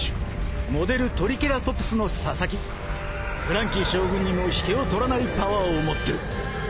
［フランキー将軍にも引けを取らないパワーを持ってる］